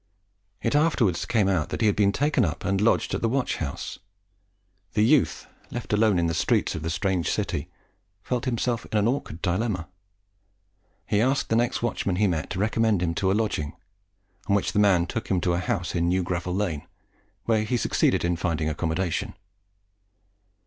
It afterwards came out that he had been taken up and lodged in the watch house. The youth, left alone in the streets of the strange city, felt himself in an awkward dilemma. He asked the next watchman he met to recommend him to a lodging, on which the man took him to a house in New Gravel Lane, where he succeeded in finding accommodation.